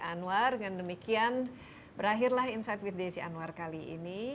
anwar dengan demikian berakhirlah insight with desi anwar kali ini